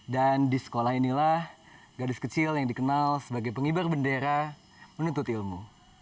dan di sekolah inilah gadis kecil yang dikenal sebagai pengibar bendera menuntut ilmu